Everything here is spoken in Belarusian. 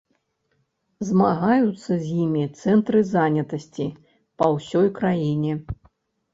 Змагаюцца з імі цэнтры занятасці па ўсёй краіне.